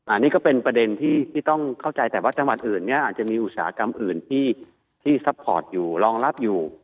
อันนี้ก็เป็นประเด็นที่ต้องเข้าใจแต่ว่าจังหวัดอื่นเนี่ยอาจจะมีอุตสาหกรรมอื่นที่ซัพพอร์ตอยู่รองรับอยู่